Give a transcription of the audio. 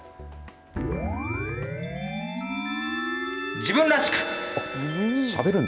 自分らしく。